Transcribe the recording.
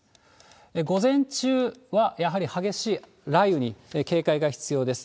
午前中はやはり激しい雷雨に警戒が必要です。